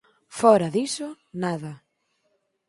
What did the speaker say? Fóra diso, nada.